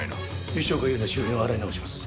吉岡百合の周辺を洗い直します。